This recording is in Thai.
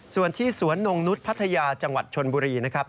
ส่วนที่สวนนงนุษย์พัทยาจังหวัดชนบุรีนะครับ